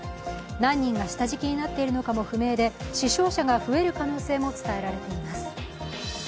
何人が下敷きになっているかも不明で、死傷者が増える可能性も伝えられています。